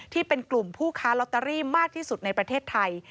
ที่เป็นกลุ่มผู้ค้าลอตเตอรี่มากที่สุดในประเทศไทย